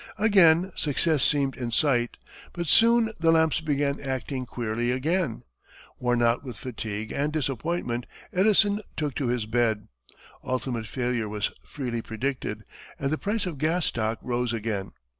Again success seemed in sight, but soon the lamps began acting queerly again. Worn out with fatigue and disappointment, Edison took to his bed. Ultimate failure was freely predicted, and the price of gas stock rose again.